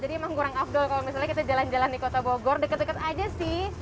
jadi emang kurang afdol kalau misalnya kita jalan jalan di kota bogor deket deket aja sih